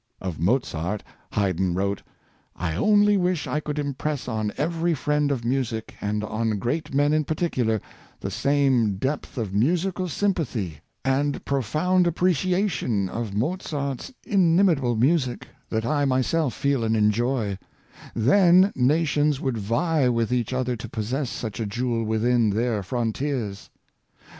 Of Mozart, Haydn wrote: "I only wish I could impress on every friend of music, and on great men in particular, the same depth of musical sympathy, and profound appreciation of Mozart's inim itable music, that I myself feel and enjoy; then nations would vie with each other to possess such a jewel within their frontiers.